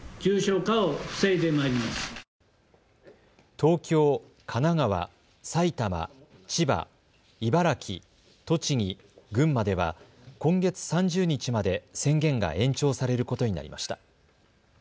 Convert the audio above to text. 東京、神奈川、埼玉、千葉、茨城、栃木、群馬では今月３０日まで宣言が延長されることになりました。